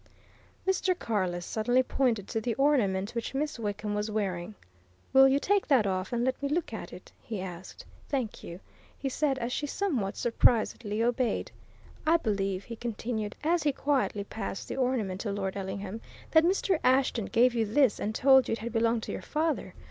Mr. Carless suddenly pointed to the ornament which Miss Wickham was wearing. "Will you take that off, and let me look at it?" he asked. "Thank you," he said, as she somewhat surprisedly obeyed. "I believe," he continued, as he quietly passed the ornament to Lord Ellingham, "that Mr. Ashton gave you this and told you it had belonged to your father?